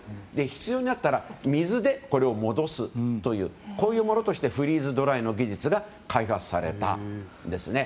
必要になったら水でこれを戻すというこういうものとしてフリーズドライの技術が開発されたんですね。